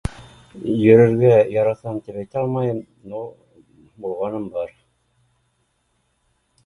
Йөрөргә яратам тип әйтә алмайым но булғаным бар